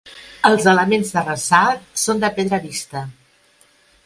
Els elements de ressalts són de pedra vista.